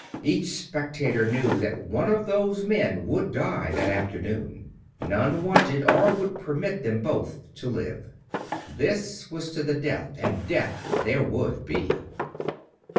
Each spectator knew that one of those men would die that afternoon. None wanted, or would permit them both to live. This was to the death, and death there would be.